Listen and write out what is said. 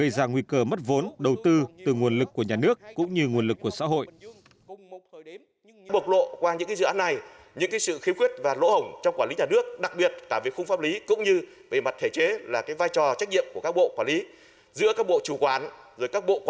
đầu tư từ nguồn lực của nhà nước cũng như nguồn lực của xã hội